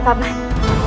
aku akan mencari dia